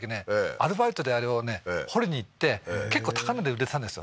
アルバイトであれをね掘りにいって結構高値で売れてたんですよ